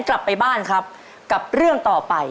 กลับไปบ้านครับกับเรื่องต่อไป